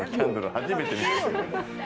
初めて見た。